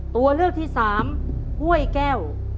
ตัวเลือกที่สามห้วยแก้ว